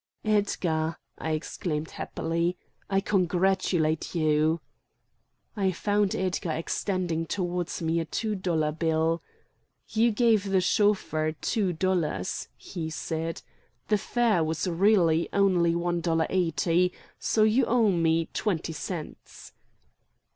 "Edgar," I exclaimed happily, "I congratulate you!" I found Edgar extending toward me a two dollar bill. "You gave the chauffeur two dollars,"' he said. "The fare was really one dollar eighty; so you owe me twenty cents."